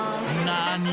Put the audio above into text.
何！？